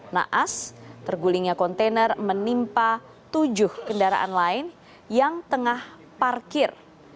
naas tergulingnya kontainer menimpa tujuh kendaraan lain yang tengah parkir